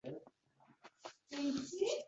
Allohga itoat etish U Zotga ibodat qilishdir.